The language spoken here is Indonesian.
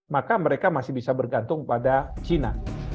maka mereka masih bisa bergantung pada china